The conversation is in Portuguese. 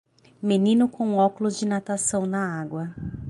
Menino com óculos de natação na água.